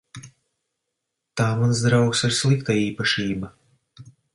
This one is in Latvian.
Tā, mans draugs, ir slikta īpašība.